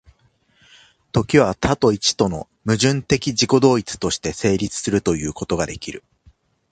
時は多と一との矛盾的自己同一として成立するということができる。